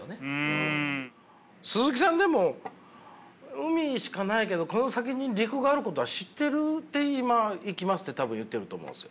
鈴木さんでも海しかないけどこの先に陸があることは知ってて今行きますって多分言ってると思うんですよ。